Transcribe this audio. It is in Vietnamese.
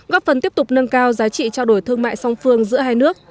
góp phần tiếp tục nâng cao giá trị trao đổi thương mại song phương giữa hai nước